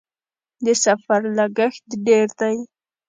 د سفر لګښت ډیر دی؟